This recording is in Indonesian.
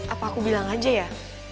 apa aku bilang aja ya